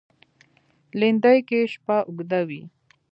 لېندۍ کې شپه اوږده وي.